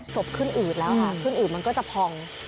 สบขึ้นอืดครับขึ้นอืดมันก็จะพอง